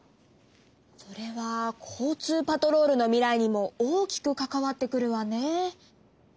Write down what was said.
それは交通パトロールの未来にも大きく関わってくるわね。